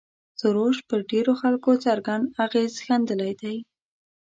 سروش پر ډېرو خلکو څرګند اغېز ښندلی دی.